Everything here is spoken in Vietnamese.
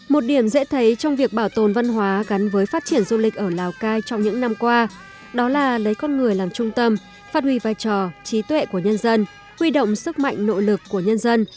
một điểm dễ thấy trong việc bảo tồn văn hóa gắn với phát triển du lịch ở lào cai trong những năm qua đó là lấy con người làm trung tâm phát huy vai trò trí tuệ của nhân dân huy động sức mạnh nội lực của nhân dân